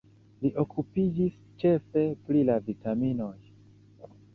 Li okupiĝis ĉefe pri la vitaminoj.